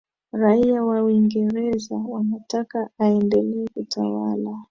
raia wa uingerza wanataka aendelee kutawala